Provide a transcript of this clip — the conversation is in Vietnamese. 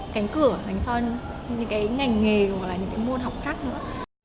cánh cửa dành cho những cái ngành nghề hoặc là những cái môn học khác nữa